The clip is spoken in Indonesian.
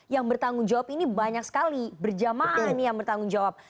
yang bertanggung jawab ini banyak sekali berjamaah yang bertanggung jawab